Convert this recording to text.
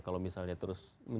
kalau misalnya terus